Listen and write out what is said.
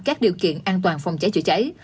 các điều kiện an toàn phòng cháy chữa cháy